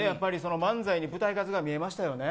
漫才に舞台の数が見えました。